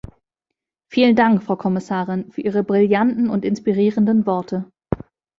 Vielen Dank, Frau Kommissarin, für Ihre brillanten und inspirierenden Worte.